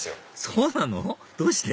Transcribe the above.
そうなの⁉どうして？